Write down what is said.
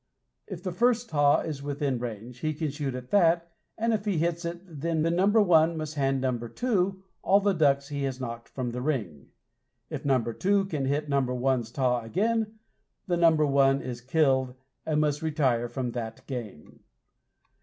If the first taw is within range, he can shoot at that, and if he hits it, then number one must hand number two all the ducks he has knocked from the ring. If number two can hit number one's taw again, then number one is killed, and must retire from that game.